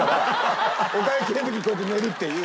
お会計の時にこうやって寝るっていう。